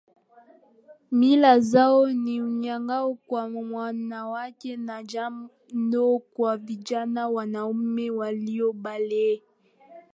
Mila zao ni unyago kwa wanawake na jando kwa vijana wanaume waliobalehe